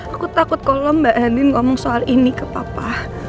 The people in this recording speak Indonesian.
aku takut kalau mbak elin ngomong soal ini ke papa